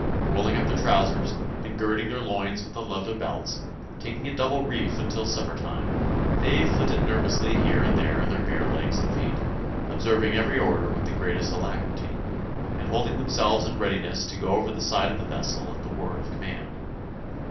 Rolling up their trousers, and girding their loins with their leather belts, taking a double reef until supper time, they flitted nervously here and there in their bare legs and feet, observing every order with the greatest alacrity, and holding themselves in readiness to go over the side of the vessel at the word of command.